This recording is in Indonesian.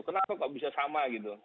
kenapa kok bisa sama gitu